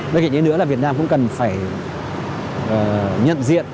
bên cạnh thế nữa việt nam cũng cần phải nhận diện